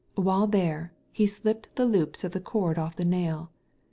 While there, he slipped the loops of the cord off the nail.